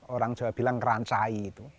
orang jawa bilang ngeransai itu